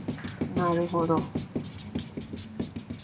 なるほど。